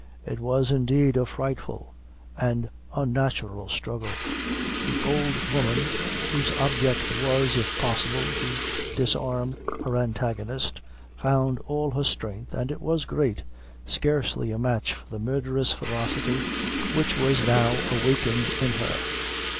It was indeed a frightful and unnatural struggle. The old woman, whose object was, if possible, to disarm her antagonist, found all her strength and it was great scarcely a match for the murderous ferocity which was now awakened in her.